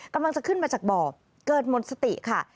กำลังจะขึ้นมาจากบ่อเกิดหมดสติค่ะ